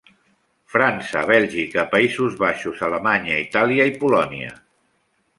França, Bèlgica, Països Baixos, Alemanya, Itàlia i Polònia.